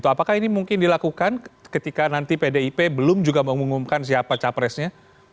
apakah ini mungkin dilakukan ketika nanti pdip belum juga mengumumkan siapa capresnya